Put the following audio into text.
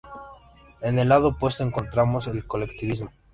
En el lado opuesto encontramos el colectivismo.